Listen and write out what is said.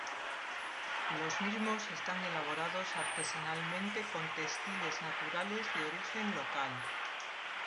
Los mismos están elaborados artesanalmente con textiles naturales de origen local.